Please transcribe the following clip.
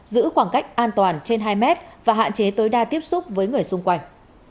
giữ khoảng cách an toàn trên hai mét và hạn chế tối đa tiếp xúc với người xung quanh